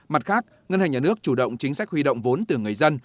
mặt khác ngân hàng nhà nước chủ động chính sách huy động vốn từ người dân